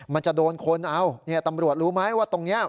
มันจะโดนคนตำรวจรู้ไหมว่าตรงนี้